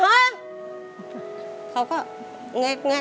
สวัสดีครับคุณหน่อย